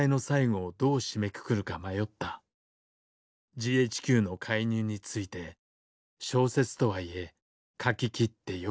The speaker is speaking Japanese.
ＧＨＱの介入について小説とはいえ書き切ってよいのか。